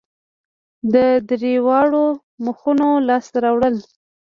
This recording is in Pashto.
د درېواړو موخو لاسته راوړل